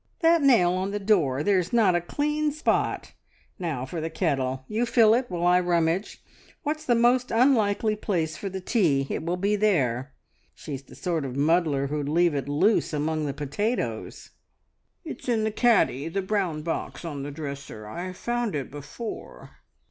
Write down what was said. "That nail on the door! There's not a clean spot. Now for the kettle! You fill it, while I rummage. What's the most unlikely place for the tea? It will be there. She's the sort of muddler who'd leave it loose among the potatoes." "It's in the caddy. The brown box on the dresser. I've found it before."